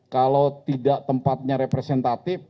kalau tidak tempatnya representatif